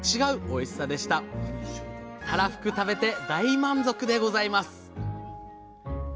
たらふく食べて大満足でございます！